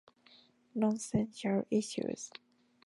Nonsensical issues.